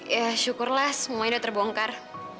ya syukurlah semuanya sudah terbongkar